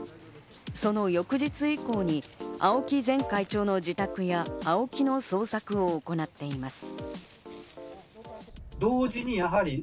その翌日以降に青木前会長の自宅やＡＯＫＩの捜索を行っています。